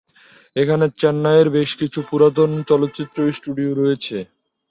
এখানে চেন্নাইয়ের বেশকিছু পুরাতন চলচ্চিত্র স্টুডিও রয়েছে।